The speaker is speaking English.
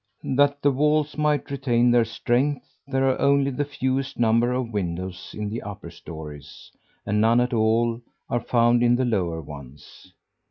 That the walls might retain their strength, there are only the fewest number of windows in the upper stories, and none at all are found in the lower ones.